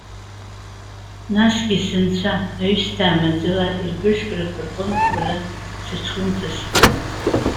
Насгьы Сынцәа! Аҩсҭаа маӡала ирбыжкрақәа рҟынтә уара сыҽумҵаскуеит.